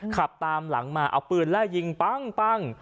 ขับตามหลังมาเอาปืนไล่ยิงปั้ง